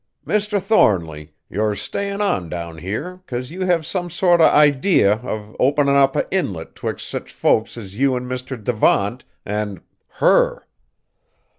Mr. Thornly, you're stayin' on down here, 'cause you have some sort o' idee o' openin' up a inlet 'twixt sich folks as you an' Mr. Devant an' her!"